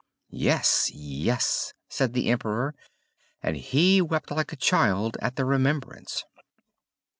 "Yes! yes!" said the Emperor, and he wept like a child at the remembrance.